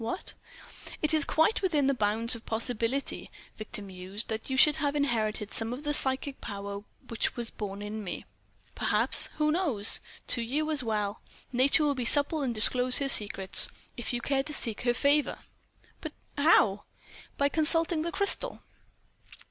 "What—?" "It is quite within the bounds of possibility," Victor mused, "that you should have inherited some of the psychic power which was born in me. Perhaps—who knows?—to you as well Nature will be supple and disclose her secrets.... If you care to seek her favour?" "But—how?" "By consulting the crystal."